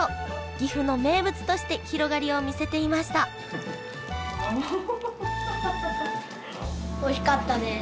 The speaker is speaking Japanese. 岐阜の名物として広がりを見せていましたおいしかったです。